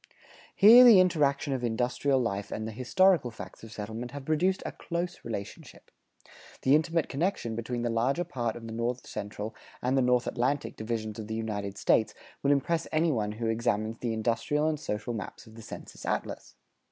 Here the interaction of industrial life and the historical facts of settlement have produced a close relationship. The intimate connection between the larger part of the North Central and the North Atlantic divisions of the United States will impress any one who examines the industrial and social maps of the census atlas.